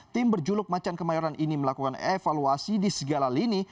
tim berjuluk macan kemayoran ini melakukan evaluasi di segala lini